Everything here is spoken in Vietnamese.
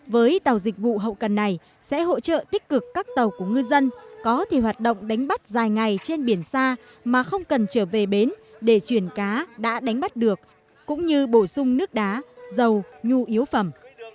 với tàu dịch vụ hậu cần này sẽ hỗ trợ tích cực các tàu của ngư dân có thể hoạt động đánh bắt dài ngày trên biển xa mà không cần trở về bến để chuyển cá đã đánh bắt được cũng như bổ sung nước đá dầu nhu yếu phẩm